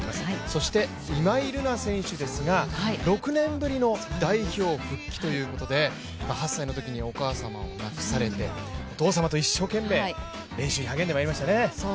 そして今井月選手ですが６年ぶりの代表復帰ということで８歳の時にお母様を亡くされてお父様と一生懸命練習に励んできましたね。